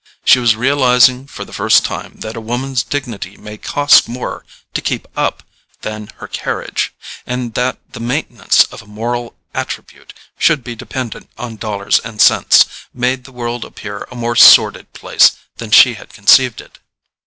She was realizing for the first time that a woman's dignity may cost more to keep up than her carriage; and that the maintenance of a moral attribute should be dependent on dollars and cents, made the world appear a more sordid place than she had conceived it.